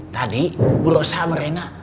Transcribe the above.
tadi buruh saham rena